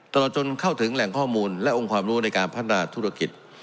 ตลอดจนเข้าถึงแหล่งข้อมูลและองค์ความรู้ในการพัฒนาธุรกิจ